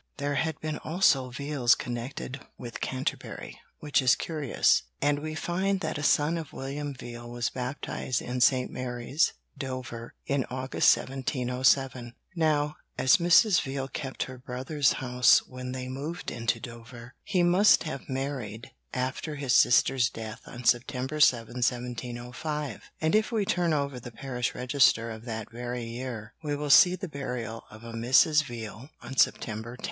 There had been also Veals connected with Canterbury, which is curious, and we find that a son of William Veal was baptised in St. Mary's, Dover, in August 1707. Now, as Mrs. Veal kept her brother's house when they moved into Dover, he must have married after his sister's death on September 7, 1705. And if we turn over the Parish Register of that very year, we shall see the burial of a 'Mrs. Veal' on September 10.